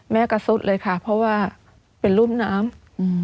แม่กระสุทธิ์เลยค่ะเพราะว่าเป็นรูปน้ำ